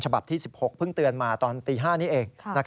ฉบับที่๑๖เพิ่งเตือนมาตอนตี๕นี้เอง